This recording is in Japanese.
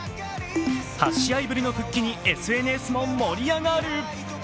８試合ぶりの復帰にＳＮＳも盛り上がる。